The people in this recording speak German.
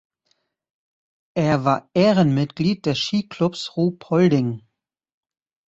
Er war Ehrenmitglied des Skiclubs Ruhpolding.